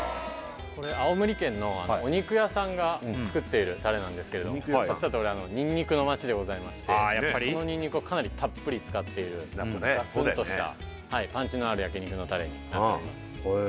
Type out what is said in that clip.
これ青森県のお肉屋さんが作っているタレなんですけれどもニンニクの町でございましてそのニンニクをかなりたっぷり使っているガツンとしたパンチのある焼肉のタレになっております